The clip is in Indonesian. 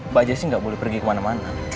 mbak jessy gak boleh pergi kemana mana